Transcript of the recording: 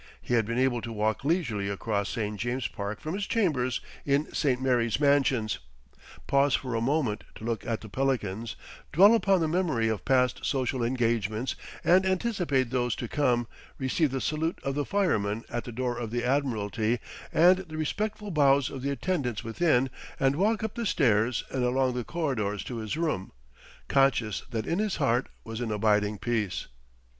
He had been able to walk leisurely across St. James's Park from his chambers in St. Mary's Mansions, pause for a moment to look at the pelicans, dwell upon the memory of past social engagements and anticipate those to come, receive the salute of the policeman at the door of the Admiralty and the respectful bows of the attendants within and walk up the stairs and along the corridors to his room, conscious that in his heart was an abiding peace.